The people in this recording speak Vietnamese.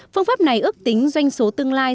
phương pháp này ước tính doanh số tương lai